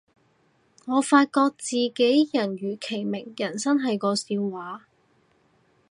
我發覺自己人如其名，人生係個笑話